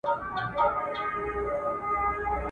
چي و دي نه پوښتي، مه گډېږه.